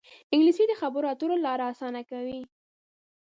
انګلیسي د خبرو اترو لاره اسانه کوي